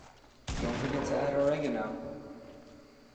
Don't forget to add Oregano.